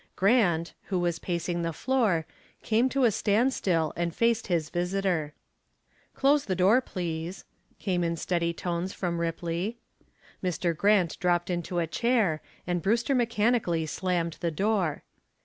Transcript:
Grant, who was pacing the floor, came to a standstill and faced his visitor. "Close the door, please," came in steady tones from Ripley. Mr. Grant dropped into a chair and Brewster mechanically slammed the door.